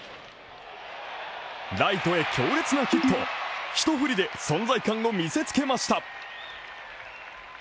ライトへ強烈なヒット、一振りで存在感を見せつけました。